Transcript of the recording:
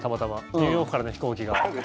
ニューヨークからの飛行機が。